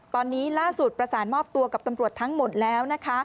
ตอนนี้ล่าสุดประสานมอบตัวกับตำรวจทั้งหมดแล้วนะคะ